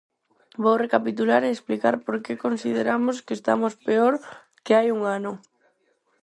Vou recapitular e explicar por que consideramos que estamos peor que hai un ano.